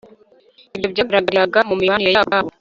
ibyo byagaragariraga mu mibanire yabo ubwabo